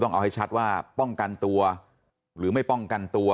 ต้องเอาให้ชัดว่าป้องกันตัวหรือไม่ป้องกันตัว